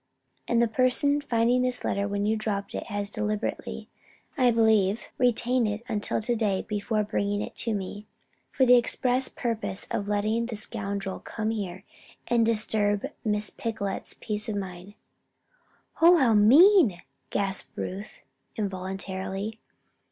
And the person finding this letter when you dropped it has deliberately, I believe, retained it until to day before bringing it to me, for the express purpose of letting the scoundrel come here and disturb Miss Picolet's peace of mind." "Oh, how mean!" gasped Ruth, involuntarily.